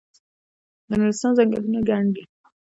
د نورستان ځنګلونه ګڼ دي